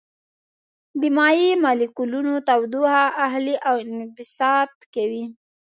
د مایع مالیکولونه تودوخه اخلي او انبساط کوي.